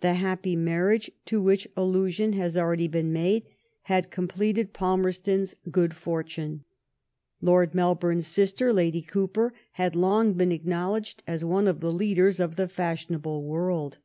The happy marriage to which allusion has already been made, had completed Falmerston s good 80 LIFE OF VISCOUNT PALMEE8T0N. fortune. Lord Melbourne's sister. Lady Oowper, bad long been acknowledged as one of tbe leaders of tbe fasbionable world.